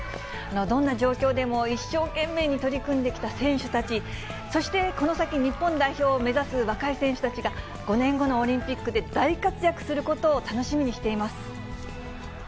どんな状況でも一生懸命に取り組んできた選手たち、そしてこの先、日本代表を目指す若い選手たちが、５年後のオリンピックで大活躍することを楽しみにしています。